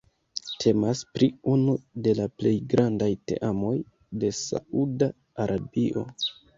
Temas pri unu de la plej grandaj teamoj de Sauda Arabio.